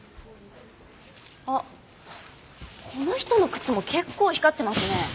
あっこの人の靴も結構光ってますね。